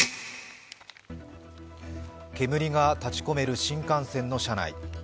煙が立ち込める新幹線の車内。